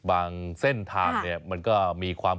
เส้นทางเนี่ยมันก็มีความ